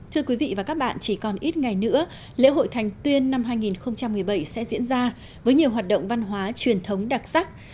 thưa quý vị và các bạn chỉ còn ít ngày nữa lễ hội thành tuyên năm hai nghìn một mươi bảy sẽ diễn ra với nhiều hoạt động văn hóa truyền thống đặc sắc